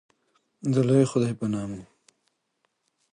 د لوی خدای په نامه